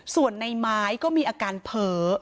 ส่วนในไม้ก็มีอาการเผลอ